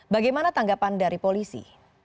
bagaimana tanggapan dari polisi